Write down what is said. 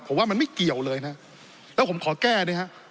ผมว่ามันไม่เกี่ยวเลยนะแล้วผมขอแก้ด้วยฮะ